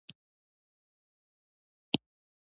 هغه د خوندیتوب اصل و، یعنې ریکورسو ډی امپارو و.